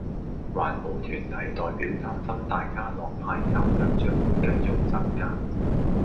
環保團體代表擔心大家樂派膠量將會繼續增加